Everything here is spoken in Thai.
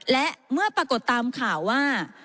และเมื่อปรากฏตามข่าวว่า